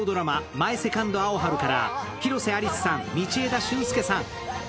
「マイ・セカンド・アオハル」から広瀬アリスさん、道枝駿佑さん。